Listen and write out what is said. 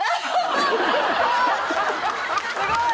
すごい！